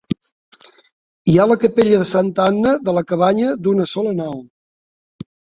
Hi ha la capella de Santa Anna de la Cabanya, d'una sola nau.